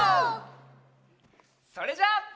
それじゃあ。